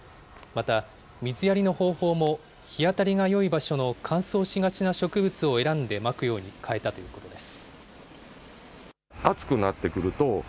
また水やりの方法も、日当たりがよい場所の乾燥しがちな植物を選んでまくように変えたということです。